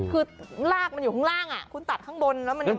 ข้างล่างคุณตัดข้างบนแล้วมันยังไง